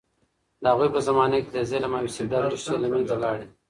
د هغوی په زمانه کې د ظلم او استبداد ریښې له منځه لاړې.